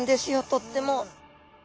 とっても。